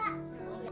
dia masih kecil